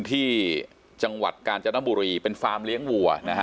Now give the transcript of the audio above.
ที่จังหวัดกาญจนบุรีเป็นฟาร์มเลี้ยงวัวนะฮะ